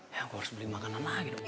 ya aku harus beli makanan lagi dong